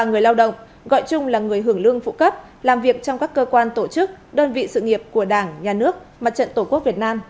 người phụ cấp và người lao động làm việc trong các cơ quan tổ chức đơn vị sự nghiệp của đảng nhà nước mặt trận tổ quốc việt nam